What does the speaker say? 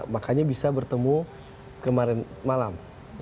makanya bisa bertemu kemarin malam